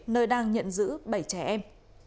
nơi đang nhận giữ bảy trẻ em